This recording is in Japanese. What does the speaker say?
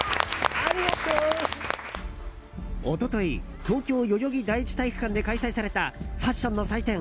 一昨日東京・代々木第一体育館で開催されたファッションの祭典